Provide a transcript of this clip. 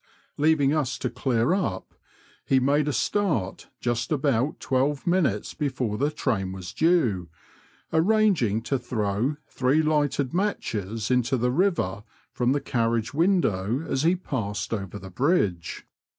Leaving us to clear up, he made a start just about twelve minutes before the train was due, arranging to throw three lighted matches into the river from the carriage window as he passed over the bridge.